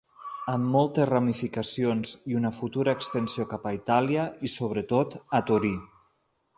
Amb moltes ramificacions, i una futura extensió cap a Itàlia i sobretot a Torí.